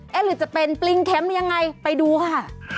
หรือจะเป็นปริงเข็มยังไงไปดูค่ะ